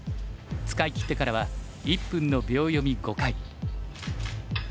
使いきってからは１分の秒読み５回。